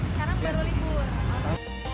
sekarang baru libur